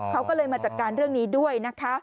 เขาก็เลยมาจัดการเรื่องนี้ด้วยนะคะ